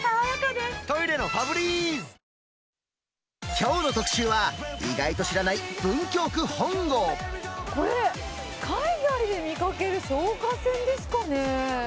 きょうの特集は、これ、海外で見かける消火栓ですかね。